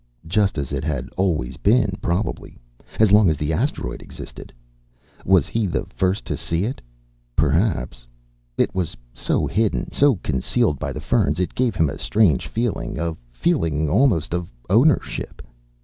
Just as it had always been, probably. As long as the asteroid existed. Was he the first to see it? Perhaps. It was so hidden, so concealed by the ferns. It gave him a strange feeling, a feeling almost of ownership.